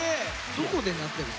どこで鳴ってんの？